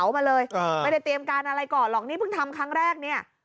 มาเลยไม่ได้เตรียมการอะไรก่อนหรอกนี่เพิ่งทำครั้งแรกเนี่ย